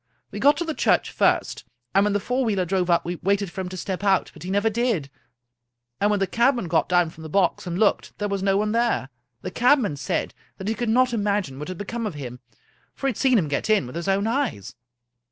We got to the church first, and when the four wheeler drove up we waited for him to step out, but he never did, and when the cabman got down from the box and looked, there was no one there! The cabman said that he could not imagine what had become of him, for he had seen him get in with his own eyes.